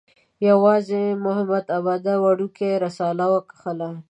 یوازې محمد عبده وړکۍ رساله وکښله.